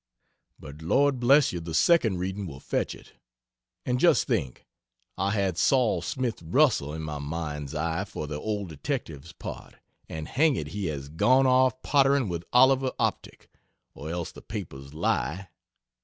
(But Lord bless you the second reading will fetch it!) And just think! I had Sol Smith Russell in my mind's eye for the old detective's part, and hang it he has gone off pottering with Oliver Optic, or else the papers lie.